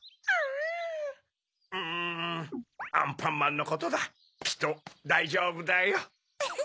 アンパンマンのことだきっとだいじょうぶだよ。